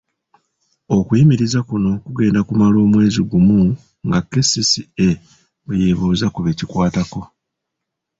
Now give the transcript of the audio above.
Okuyimiriza kuno kugenda kumala omwezi gumu nga KCCA bwe yeebuuza ku be kikwatako.